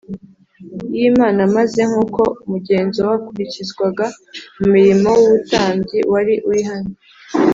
y Imana Maze nk uko umugenzo wakurikizwaga mu murimo w ubutambyi wari uri hano